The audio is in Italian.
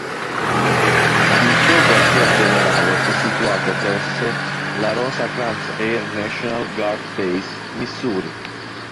Il suo quartier generale è situato presso la Rosecrans Air National Guard Base, Missouri.